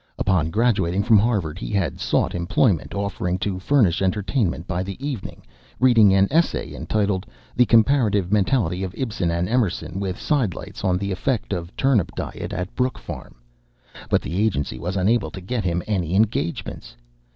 Upon graduating from Harvard, he had sought employment, offering to furnish entertainment by the evening, reading an essay entitled, "The Comparative Mentality of Ibsen and Emerson, with Sidelights on the Effect of Turnip Diet at Brook Farm," but the agency was unable to get him any engagements.